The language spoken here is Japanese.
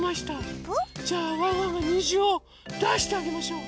じゃあワンワンがにじをだしてあげましょう。